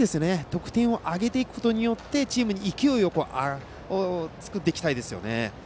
得点を挙げていくことでチームに勢いをつけていきたいですよね。